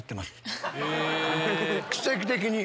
奇跡的に。